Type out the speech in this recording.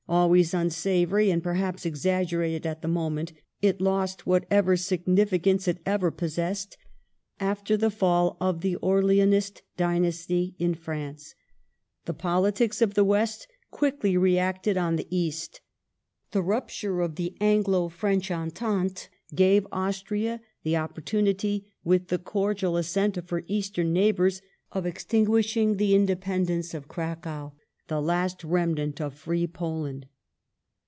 Always unsavoury, and perhaps exaggerated at the moment, it lost whatever significance it ever possessed after the fall of the Orleanist dynasty in France. The politics of the West quickly reacted on the East The Austrian rupture of the Anglo French entente gave Austria the opportunity, ^""^of ' with the cordial assent of her Eastern neighbours, of extinguishing Cracow the independence of Cracow, the last remnant of free Poland.